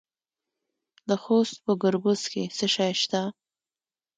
د خوست په ګربز کې څه شی شته؟